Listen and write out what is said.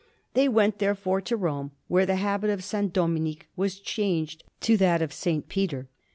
They went, therefore, to Rome, where the habit of S. Dominic was changed for that of S. Peter.